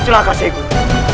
silahkan sey guru